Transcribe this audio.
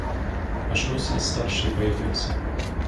Аж ось і старший появився.